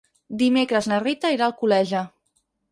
Dimecres na Rita irà a Alcoleja.